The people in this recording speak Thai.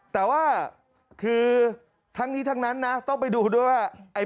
แต่ว่าคือทั้งนี้ทั้งนั้นนะต้องไปดูด้วยว่า